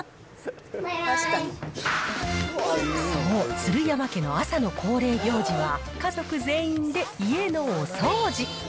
そう、鶴山家の朝の恒例行事は、家族全員で家のお掃除。